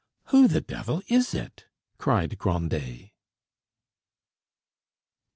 "Who the devil is it?" cried Grandet.